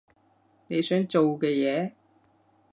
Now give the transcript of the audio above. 你想做嘅嘢？